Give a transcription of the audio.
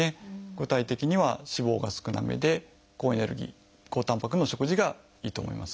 具体的には脂肪が少なめで高エネルギー高たんぱくの食事がいいと思います。